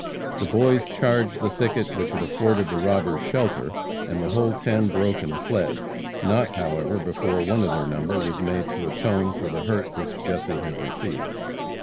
The boys charged the thicket which had afforded the robbers shelter, and the whole ten broke and fled, not however, before one of their number was made to atone for the hurt which Jesse had received.